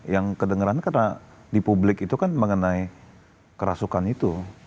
yang kedengeran karena di publik itu kan mengenai kerasukan itu